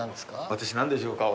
私何でしょうか？